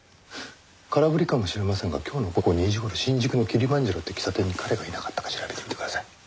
空振りかもしれませんが今日の午後２時頃新宿のキリマンジャロって喫茶店に彼がいなかったか調べてみてください。